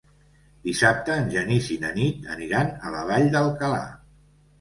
Dissabte en Genís i na Nit aniran a la Vall d'Alcalà.